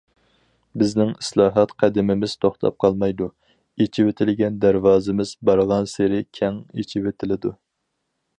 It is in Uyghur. بىزنىڭ ئىسلاھات قەدىمىمىز توختاپ قالمايدۇ، ئېچىۋېتىلگەن دەرۋازىمىز بارغانسېرى كەڭ ئېچىۋېتىلىدۇ.